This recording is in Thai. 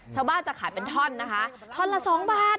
ชาวบ้านจะขายเป็นท่อนนะคะท่อนละ๒บาท